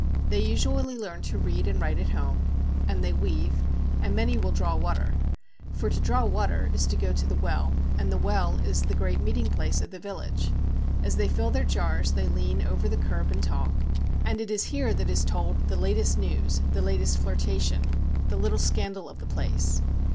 They usually learn to read and write at home, and they weave, and many will draw water. For to draw water is to go to the well, and the well is the great meeting place of the village. As they fill their jars they lean over the curb and talk, and it is here that is told the latest news, the latest flirtation, the little scandal of the place.